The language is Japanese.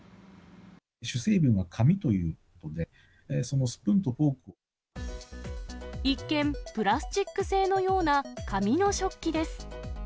主成分が紙というそのスプー一見、プラスチック製のような紙の食器です。